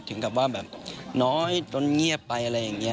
ถึงกับว่าแบบน้อยจนเงียบไปอะไรอย่างนี้